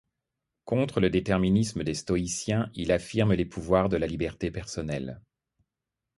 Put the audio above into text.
Contre le déterminisme des stoïciens, il affirme les pouvoirs de la liberté personnelle.